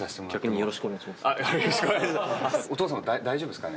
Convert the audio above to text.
よろしくお願いします。